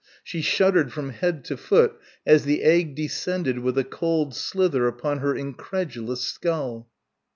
She shuddered from head to foot as the egg descended with a cold slither upon her incredulous skull.